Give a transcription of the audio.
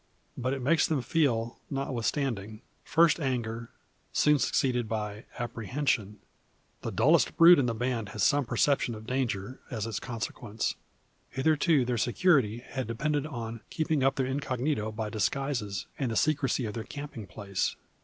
But it makes them feel, notwithstanding; first anger, soon succeeded by apprehension. The dullest brute in the band has some perception of danger as its consequence. Hitherto their security has depended on keeping up their incognito by disguises, and the secrecy of their camping place.